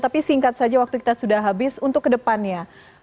tapi singkat saja waktu kita sudah habis untuk kedepannya